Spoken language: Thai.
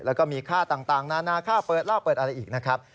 แล้วก็มีค่าต่างนานาค่าเปิดเหล้าเปิดอะไรอีกนะครับ